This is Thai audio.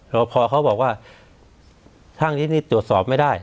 พอเขาบอกว่าทางนี้นี่ตรวจสอบไม่ได้